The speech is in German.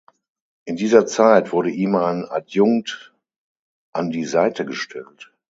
In dieser Zeit wurde ihm ein Adjunkt an die Seite gestellt.